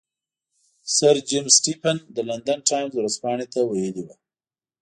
سر جیمز سټیفن د لندن ټایمز ورځپاڼې ته ویلي وو.